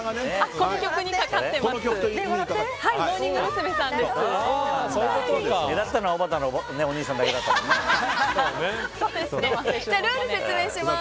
この曲にかかってます。